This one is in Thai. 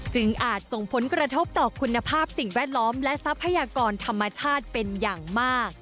อาจส่งผลกระทบต่อคุณภาพสิ่งแวดล้อมและทรัพยากรธรรมชาติเป็นอย่างมาก